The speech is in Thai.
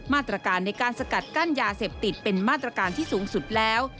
มาตรการในการสกัดกั้นยาเสพติดเป็นมาตรการที่สูงสุดแล้ว